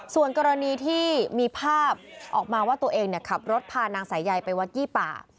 ส่วนกรณีที่มีภาพออกมาว่าตัวเองขับรถพานางสายใยไปวัดยี่ป่า